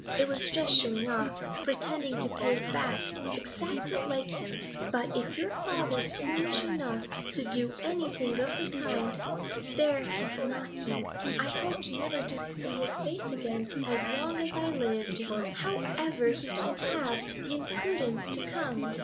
It was just showing off, pretending to pay it back; exactly like him! But if your father's foolish enough to do anything of the kind There, he's knocking. I hoped never to see his face again as long as I lived; how ever he can have the impudence to come!